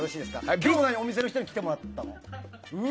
今日もお店の人に来てもらったの？